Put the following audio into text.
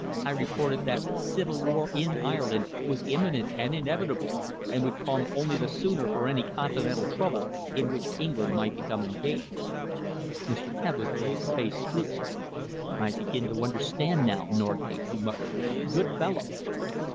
"I reported that civil war in Ireland was imminent and inevitable and would come only the sooner for any continental trouble in which England might become engaged." Mr. Hebblethwaite's face cleared. "I begin to understand now, Norgate," he muttered. "Good fellow!"